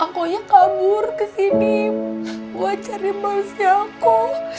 akonya kabur kesini buat cari mausnya aku